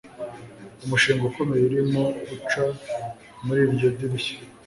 Umushinga ukomeye urimo uca muri iryo dirishya